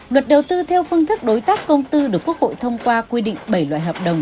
luật đầu tư theo phương thức đối tác công tư được quốc hội thông qua quy định bảy loại hợp đồng